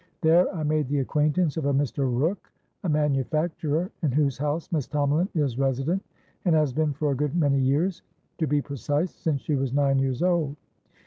There I made the acquaintance of a Mr. Rooke, a manufacturer, in whose house Miss Tomalin is resident, and has been for a good many years; to be precise, since she was nine years old.